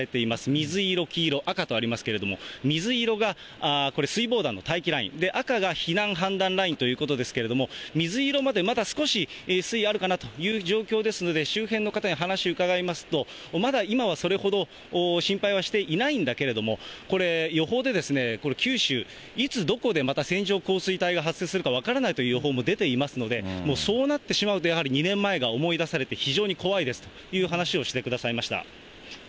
水色、黄色、赤とありますけれども、水色がすいぼうだんの待機ライン、赤が避難判断ラインということですけれども、水色までまだ少し水位あるかなという状況ですので、周辺の方に話を伺いますと、まだ今はそれほど心配はしていないんだけれども、これ、予報で九州、いつどこでまた線状降水帯が発生するか分からないという予報も出ていますので、そうなってしまうと、やはり２年前が思い出されて非常に怖いですという話をしてくださいました。